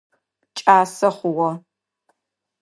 Кӏасэ хъугъэ.